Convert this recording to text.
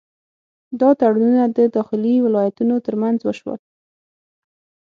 دا تړونونه د داخلي ولایتونو ترمنځ وشول.